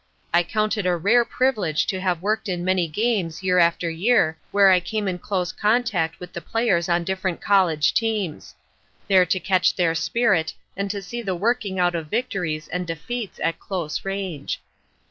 I count it a rare privilege to have worked in many games year after year where I came in close contact with the players on different college teams; there to catch their spirit and to see the working out of victories and defeats at close range.